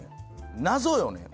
謎よね